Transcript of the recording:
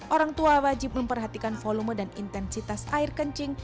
orang tua wajib memperhatikan volume dan intensitas air kencing